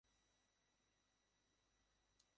ঐ ব্যক্তির সে ভাষা জানিবার সম্ভাবনা ছিল আরও কম।